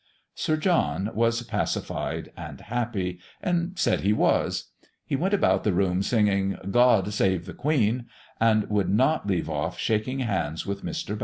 Sir John was pacified and happy, and said he was. He went about the room singing "God save the Queen," and would not leave off shaking hands with Mr. Baxter.